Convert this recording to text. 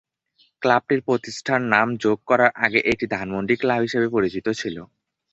ক্লাবটির প্রতিষ্ঠাতার নাম যোগ করার আগে এটি ধানমন্ডি ক্লাব হিসেবে পরিচিত ছিল।